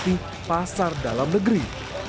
tapi pasang dalam negeri